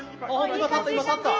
今立った今立った！